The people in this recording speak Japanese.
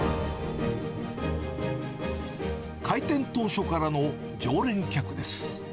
開店当初からの常連客です。